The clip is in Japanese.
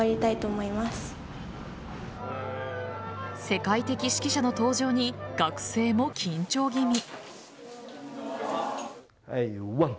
世界的指揮者の登場に学生も緊張気味。